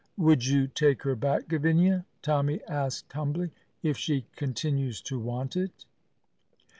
"Would you take her back, Gavinia," Tommy asked humbly, "if she continues to want it?"